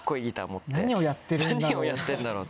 何をやってるんだろうって。